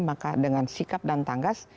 maka dengan sikap dan tanggas